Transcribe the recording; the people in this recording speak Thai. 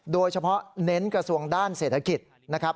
โดยเฉพาะเน้นกระทรวงด้านเศรษฐกิจนะครับ